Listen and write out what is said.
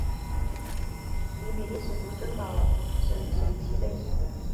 与比利时卢森堡省省旗类似。